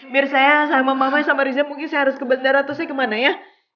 biar saya sama mama sama riza mungkin saya harus ke bandara terusnya kemana ya